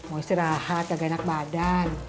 mau istirahat agak enak badan